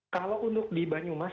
kalau untuk di banyumas